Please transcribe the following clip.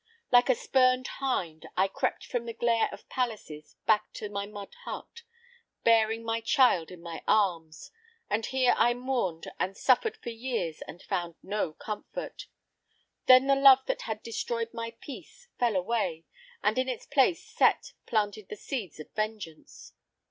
Like a spurned hind, I crept from the glare of palaces back to my mud hut, bearing my child in my arms, and here I mourned and suffered for years and found no comfort. Then the love that had destroyed my peace fell away, and in its place Set planted the seeds of vengeance.